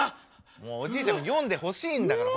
おじいちゃんも読んでほしいんだから。